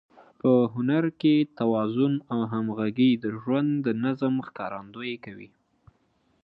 په هنر کې توازن او همغږي د ژوند د نظم ښکارندويي کوي.